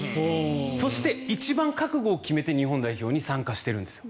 そして一番覚悟を決めて日本代表に参加してるんです。